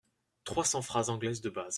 Trois cents phrases anglaises de base.